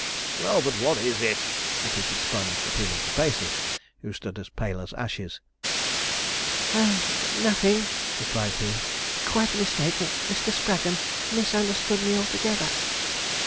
'Well but what is it?' repeated Sponge, appealing to Pacey, who stood as pale as ashes. 'Oh! nothing,' replied he; 'quite a mistake; Mr. Spraggon misunderstood me altogether.'